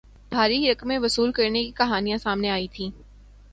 بھاری رقمیں وصول کرنے کی کہانیاں سامنے آئی تھیں